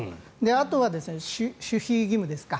あとは守秘義務ですか。